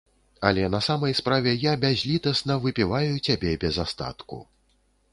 Але на самай справе, я бязлітасна выпіваю цябе без астатку.